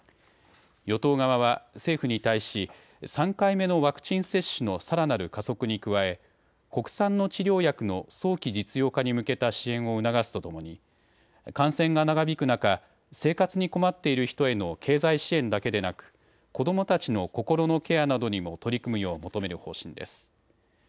与党側は政府に対し３回目のワクチン接種のさらなる加速に加え、国産の治療薬の早期実用化に向けた支援を促すとともに感染が長引く中、生活に困っている人への経済支援だけでなく子どもたちの心のケアなどにも取り組むよう求める方針です。